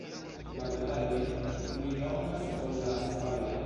La petaloj pli longas ol la sepaloj.